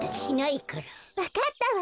わかったわ！